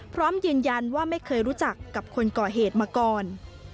พร้อมยืนยันว่าไม่เคยรู้จักกับคนก่อเหตุมาก่อน